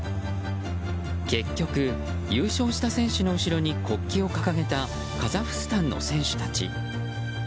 結局、優勝した選手の後ろに国旗を掲げたカザフスタンの選手たち。